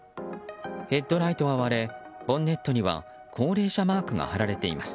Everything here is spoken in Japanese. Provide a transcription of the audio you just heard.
ヘッドライトは割れボンネットには高齢者マークが貼られています。